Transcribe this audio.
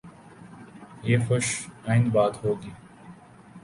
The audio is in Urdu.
یہ خوش آئند بات ہو گی۔